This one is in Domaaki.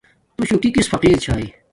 تو شو کی کس فقر چھا؟